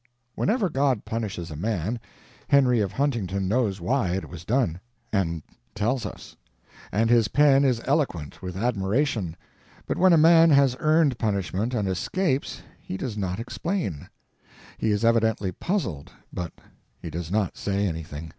Whenever God punishes a man, Henry of Huntington knows why it was done, and tells us; and his pen is eloquent with admiration; but when a man has earned punishment, and escapes, he does not explain. He is evidently puzzled, but he does not say anything.